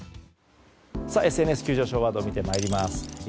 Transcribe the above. ＳＮＳ急上昇ワードを見てまいります。